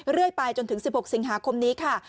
เรื่อยไปจนถึง๑๖สิงหาคมนี้ค่ะ